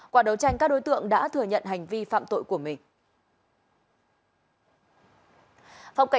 quả đấu tranh các đối tượng đã thừa nhận